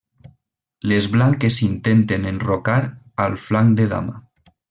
Les blanques intenten enrocar al flanc de dama.